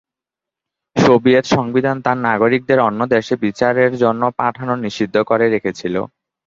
Soviet সংবিধান তার নাগরিকদের অন্য দেশে বিচারের জন্য পাঠানো নিষিদ্ধ করে রেখেছিল।